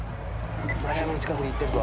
丸山の近くに行ってるぞ。